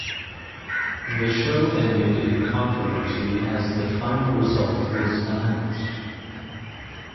The show ended in controversy as the final result was announced.